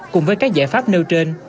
cùng với các giải pháp nêu trên